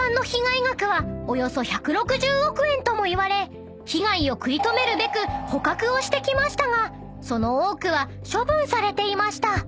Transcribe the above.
［ともいわれ被害を食い止めるべく捕獲をしてきましたがその多くは処分されていました］